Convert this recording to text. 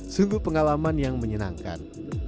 sungguh pengalaman yang menyenangkan